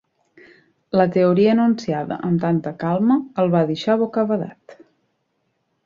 La teoria enunciada amb tanta calma el va deixar bocabadat.